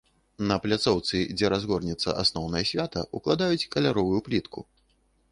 На пляцоўцы, дзе разгорнецца асноўнае свята, укладаюць каляровую плітку.